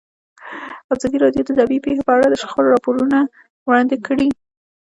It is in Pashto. ازادي راډیو د طبیعي پېښې په اړه د شخړو راپورونه وړاندې کړي.